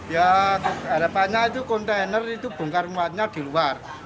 ya ada panjang itu kontainer itu bongkar rumahnya di luar